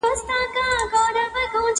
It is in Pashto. زما انارګلي زما ښایستې خورکۍ!